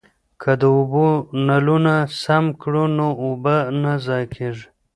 که د اوبو نلونه سم کړو نو اوبه نه ضایع کیږي.